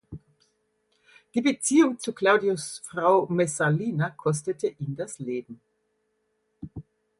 Die Beziehung zu Claudius’ Frau Messalina kostete ihn das Leben.